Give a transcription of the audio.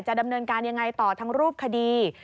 ดำเนินการยังไงต่อทั้งรูปคดี